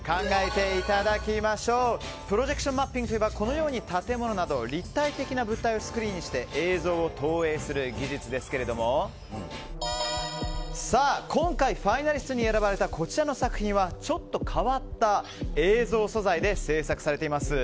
プロジェクションマッピングといえばこのように建物など立体的な物体をスクリーンにして映像を投影する技術ですが今回ファイナリストに選ばれたこちらの作品はちょっと変わった映像素材で制作されています。